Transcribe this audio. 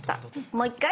もう一回？